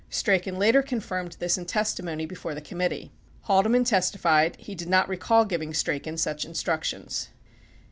88 Strachan later confirmed this in testimony before the committee. 89 Haldeman testi fied he did not recall giving Strachan such instructions.